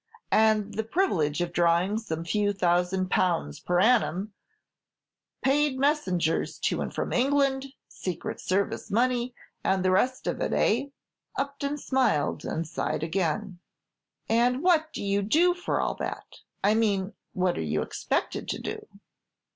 "And the privilege of drawing some few thousand pounds per annum, paid messengers to and from England, secret service money, and the rest of it, eh?" Upton smiled, and sighed again. "And what do you do for all that, I mean, what are you expected to do?"